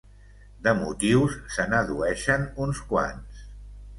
De motius, se n’addueixen uns quants.